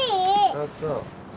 ああそう。